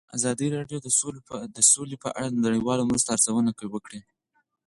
ازادي راډیو د سوله په اړه د نړیوالو مرستو ارزونه کړې.